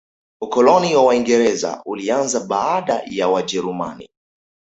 ukoloni wa waingereza ulianza baada ya wajerumani